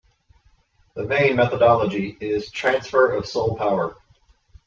The main methodology is transfer of Soul Power.